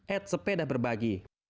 at sepeda berbagi